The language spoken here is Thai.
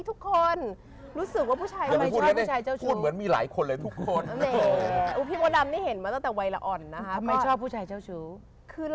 ทำไมชอบผู้ชายเจ้าชู้